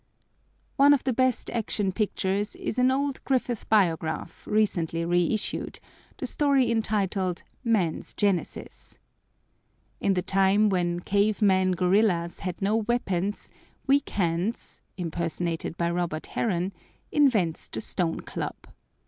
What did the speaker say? One of the best Action Pictures is an old Griffith Biograph, recently reissued, the story entitled "Man's Genesis." In the time when cave men gorillas had no weapons, Weak Hands (impersonated by Robert Harron) invents the stone club.